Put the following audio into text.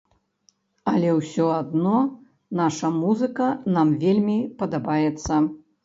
Але ўсё адно наша музыка нам вельмі падабаецца.